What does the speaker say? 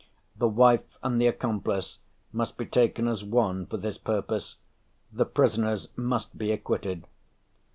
The wife and the accomplice must be taken as one for this purpose. The prisoners must be acquitted."